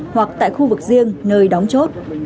hoặc tại khu vực riêng nơi đóng chốt